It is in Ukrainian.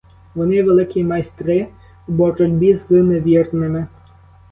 Вони великі майстри у боротьбі з невірними.